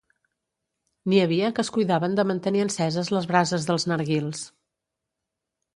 N'hi havia que es cuidaven de mantenir enceses les brases dels narguils.